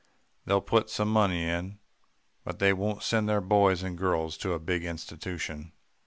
They'll put some money in but they won't send their boys and girls to a big institution.